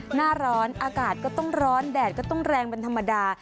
หน้าร้อนอากาศก็ต้องร้อนแดดก็ต้องแรงเป็นธรรมดา